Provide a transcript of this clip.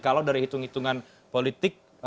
kalau dari hitung hitungan politik